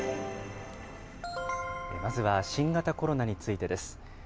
まずは新型コロナについてです。